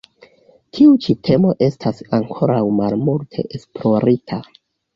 Tiu ĉi temo estas ankoraŭ malmulte esplorita.